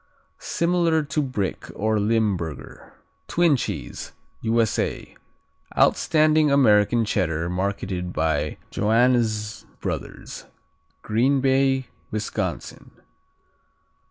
Similar to Brick or Limburger. Twin Cheese U.S.A. Outstanding American Cheddar marketed by Joannes Brothers, Green Bay, Wisconsin.